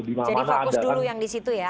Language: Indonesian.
jadi fokus dulu yang di situ ya